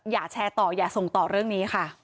อย่าแชร์ต่ออย่าส่งต่อเรื่องนี้ค่ะ